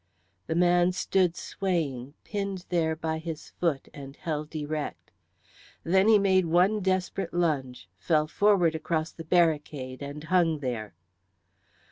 The man stood swaying, pinned there by his foot and held erect. Then he made one desperate lunge, fell forward across the barricade, and hung there.